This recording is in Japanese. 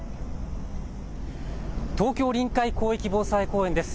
東京臨海広域防災公園です。